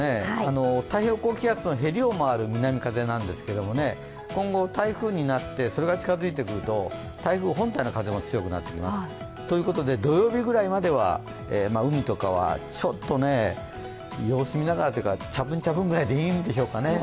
太平洋高気圧の縁を回る南風なんですけどね、今後、台風になって、それが近づいてくると、台風本体の風も強くなってきます。ということで、土曜日ぐらいまでは海とかはちょっと様子見ながらというかちゃぷんちゃぷんくらいでいいんでしょうかね。